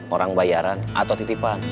orang bayaran atau titipan